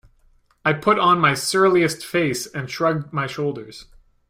I put on my surliest face and shrugged my shoulders.